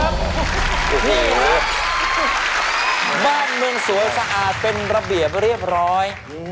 นี่ฮะบ้านเมืองสวยสะอาดเป็นระเบียบเรียบร้อย